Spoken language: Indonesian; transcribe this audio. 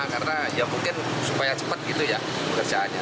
karena ya mungkin supaya cepat gitu ya pekerjaannya